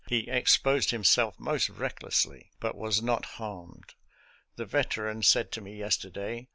He exposed himself most recklessly, but was not harmed. The Veteran said to me yesterday.